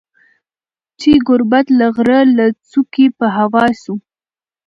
چي ګوربت د غره له څوکي په هوا سو